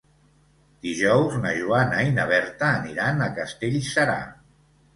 Dijous na Joana i na Berta aniran a Castellserà.